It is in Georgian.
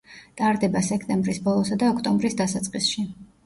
ტარდება სექტემბრის ბოლოსა და ოქტომბრის დასაწყისში.